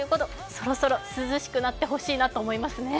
そろそろ涼しくなってほしいなと思います。